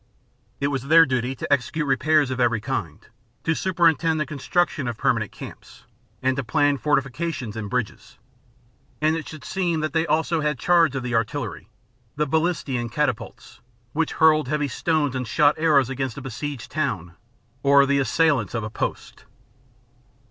It was their duty to execute repairs of every kind, to superintend the construction of permanent camps, and to plan fortifications and bridges ; and it should seem that they also had charge of the artillery, — the ballistae and catapults, which hurled heavy stones and shot arrows against a besieged town or the assailants of a post.